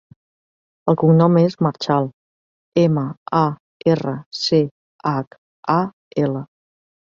El cognom és Marchal: ema, a, erra, ce, hac, a, ela.